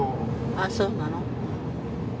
ああそうなの。